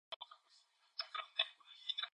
동시에 묻고는 함께 대답이 없다.